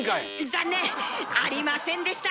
残念！ありませんでした！